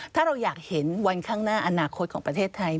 ถ้าเราอยากเห็นวันข้างหน้าอนาคตของประเทศไทย